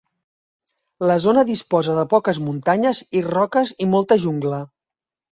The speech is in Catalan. La zona disposa de poques muntanyes i roques i molta jungla.